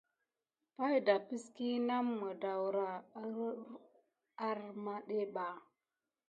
Pay dakiy aname da awure kisi arneba.